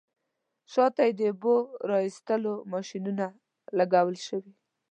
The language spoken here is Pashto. شاته یې د اوبو را ایستلو ماشینونه لګول شوي.